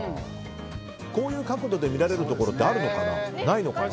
こういう角度で見られるところってあるのかな。